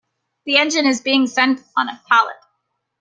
The engine is being sent on a pallet.